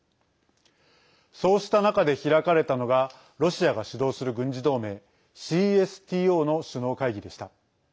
そうした中で開かれたのがロシアが主導する軍事同盟ＣＳＴＯの首脳会議でした。